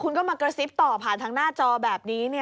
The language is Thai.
คุณก็มากระซิบต่อผ่านทางหน้าจอแบบนี้